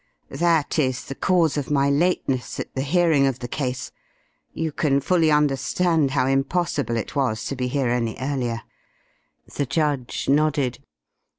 That is the cause of my lateness at the hearing of the case. You can fully understand how impossible it was to be here any earlier." The judge nodded.